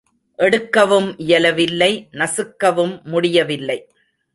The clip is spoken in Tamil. எடுக்கவும் இயல வில்லை நசுக்கவும் முடியவில்லை.